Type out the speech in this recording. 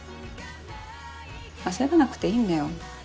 焦らなくていいんだよ。